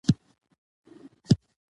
زه غواړم چې نړۍ وګورم او سفرونه وکړم